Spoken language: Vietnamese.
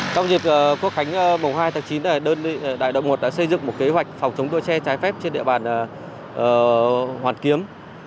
trong dịp khu khánh bầu hai tháng chín đại đội một đã xây dựng một kế hoạch phòng chống đua xe trái phép trên địa bàn hoàn kiếm